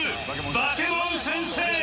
バケモン先生